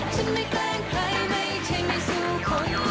ฉันไม่แกล้งใครไม่ใช่ไม่สู้คน